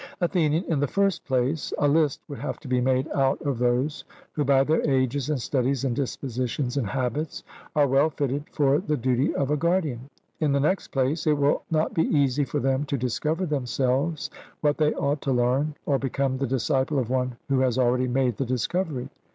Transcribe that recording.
ATHENIAN: In the first place, a list would have to be made out of those who by their ages and studies and dispositions and habits are well fitted for the duty of a guardian. In the next place, it will not be easy for them to discover themselves what they ought to learn, or become the disciple of one who has already made the discovery.